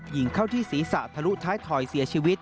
ยิงเข้าที่ศีรษะทะลุท้ายถอยเสียชีวิต